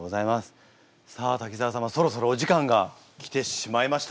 さあ滝沢様そろそろお時間が来てしまいました。